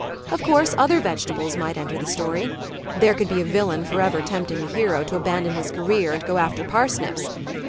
Of course other vegetables might enter the story. There could be a villain forever tempting the hero to abandon his career and go after parsnips.